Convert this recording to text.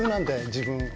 自分。